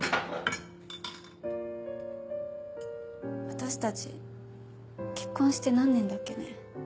私たち結婚して何年だっけね。